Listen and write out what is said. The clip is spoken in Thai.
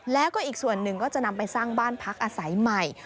แล้วก็อีกส่วนหนึ่งก็จะนำไปสร้างบ้านพักอาศัยใหม่